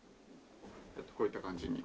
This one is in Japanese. こういった感じに。